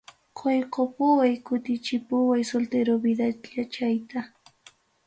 Qoykapuway kutichipuway soltero vidachallayta.